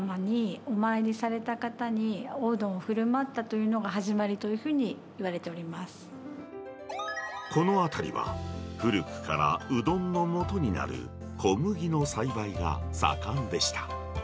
水澤観音様にお参りされた方におうどんをふるまったというのが始まりというふうにいわれておこの辺りは、古くからうどんのもとになる小麦の栽培が盛んでした。